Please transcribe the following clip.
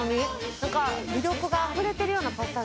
なんか魅力があふれてるようなパスタですね。